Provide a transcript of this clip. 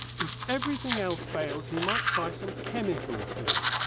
If everything else fails he might try some chemical food.